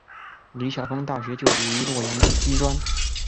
李晓峰大学就读于洛阳医专。